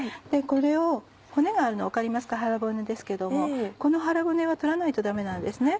これを骨があるの分かりますか腹骨ですけれどもこの腹骨は取らないとダメなんですね。